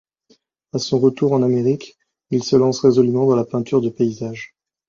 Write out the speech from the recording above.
À son retour en Amérique, il se lance résolument dans la peinture de paysage.